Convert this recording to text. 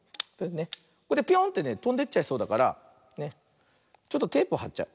ピョーンってねとんでっちゃいそうだからちょっとテープをはっちゃう。